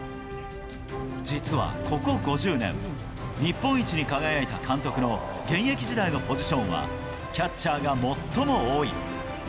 実はここ５０年、日本一に輝いた監督の現役時代のポジションはキャッチャーが最も多い。